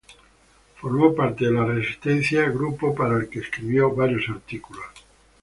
Formó parte de la Resistencia, grupo para el que escribió varios artículos.